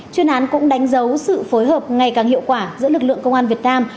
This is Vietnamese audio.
chuyên án cũng đánh dấu sự phối hợp ngày càng hiệu quả giữa lực lượng công an việt nam